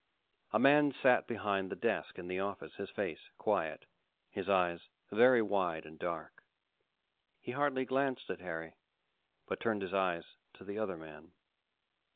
A man sat behind the desk in the office, his face quiet, his eyes very wide and dark. He hardly glanced at Harry, but turned his eyes to the other man.